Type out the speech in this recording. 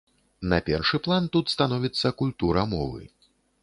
На першы план тут становіцца культура мовы.